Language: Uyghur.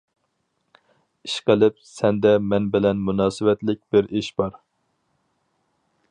ئىشقىلىپ سەندە مەن بىلەن مۇناسىۋەتلىك بىر ئىش بار.